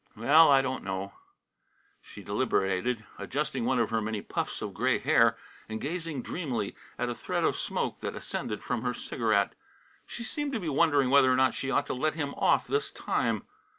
"Well, I don't know " She deliberated, adjusting one of her many puffs of gray hair, and gazing dreamily at a thread of smoke that ascended from her cigarette. She seemed to be wondering whether or not she ought to let him off this time.